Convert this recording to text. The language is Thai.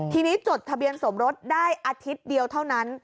ทีนี้จดทะเบียนสมรสได้อาทิตย์เดียวเท่านั้น